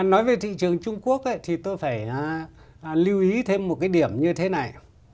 nói về thị trường trung quốc thì tôi phải lưu ý thêm một cái điểm như thế này